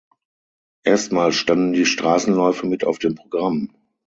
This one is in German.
Erstmals standen die Straßenläufe mit auf dem Programm.